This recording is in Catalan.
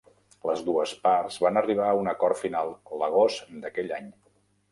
Les dues parts van arribar a un acord final l'agost d'aquell any.